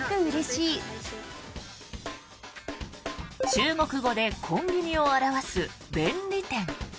中国語でコンビニを表す便利店。